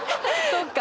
そっか。